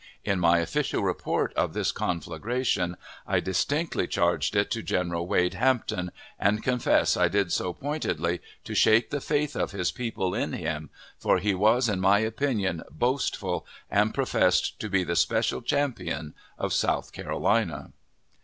In my official report of this conflagration, I distinctly charged it to General Wade Hampton, and confess I did so pointedly, to shake the faith of his people in him, for he was in my opinion boastful, and professed to be the special champion of South Carolina.